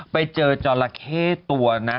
ไปเจอจราเข้ตัวนะ